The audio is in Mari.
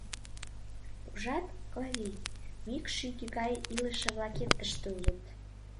Ужат, Клавий, мӱкшиге гай илыше-влакет тыште улыт.